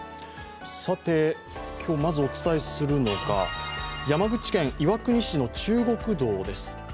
さて、今日まずお伝えするのが山口県岩国市の中国道です。